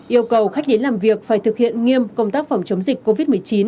yêu cầu khách đến làm việc phải thực hiện nghiêm công tác phòng chống dịch covid một mươi chín